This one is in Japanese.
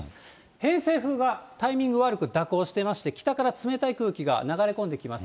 偏西風がタイミング悪く蛇行してまして、北から冷たい空気が流れ込んできます。